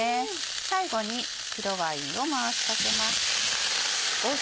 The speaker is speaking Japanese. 最後に白ワインを回しかけます。